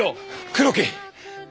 黒木！